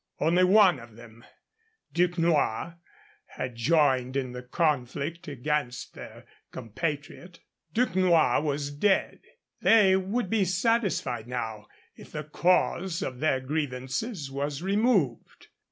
Only one of them, Duquesnoy, had joined in the conflict against their compatriot. Duquesnoy was dead. They would be satisfied now if the cause of their grievances was removed.